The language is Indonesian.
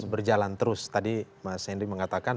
berjalan terus tadi mas henry mengatakan